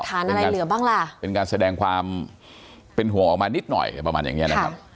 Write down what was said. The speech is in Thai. อันนี้ก็เป็นการแสดงความเป็นห่วงออกมานิดหน่อยประมาณอย่างนี้นะครับ